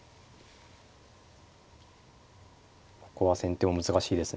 ここは先手も難しいですね。